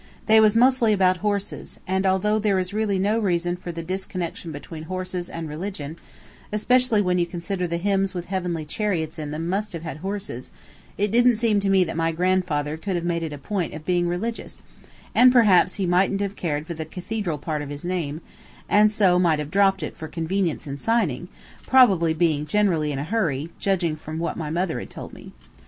They was mostly about horses; and although there is really no reason for the disconnection between horses and religion, especially when you consider the hymns with heavenly chariots in them must have had horses, it didn't seem to me that my grandfather could have made it a point of being religious, and perhaps he mightn't have cared for the cathedral part of his name, and so might have dropped it for convenience in signing, probably being generally in a hurry, judging from what my mother had told me.